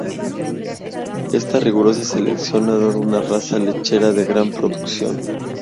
Esta rigurosa selección ha dado una raza lechera de gran producción.